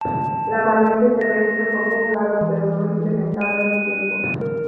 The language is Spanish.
La variante terrestre fue probado pero no implementado en tiempo.